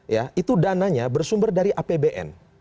ya itu dananya bersumber dari apbn